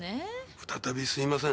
再びすいません。